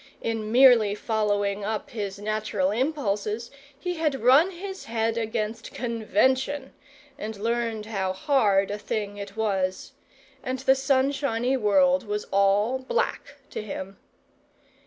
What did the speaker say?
In merely following up his natural impulses he had run his head against convention, and learnt how hard a thing it was; and the sunshiny world was all black to him.